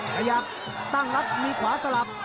ขยับตั้งรับมีขวาสลับ